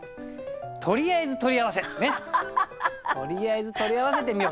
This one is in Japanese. とりあえず取り合わせてみよう。